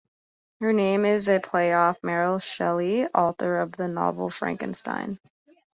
Her name is a play off Mary Shelley, author of the novel "Frankenstein".